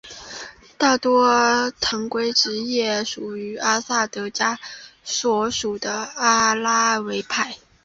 大多常规职业士兵属于阿萨德家族所属的阿拉维派。